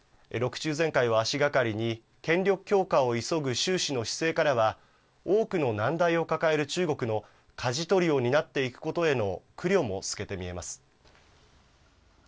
中全会を足がかりに権力強化を急ぐ習氏の姿勢からは、多くの難題を抱える中国のかじ取りを担っていくことへの苦慮も透けて見えます。